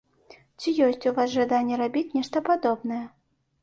Ці ёсць у вас жаданне рабіць нешта падобнае?